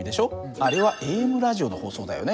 あれはＡＭラジオの放送だよね。